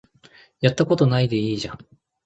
やったことないでいいじゃん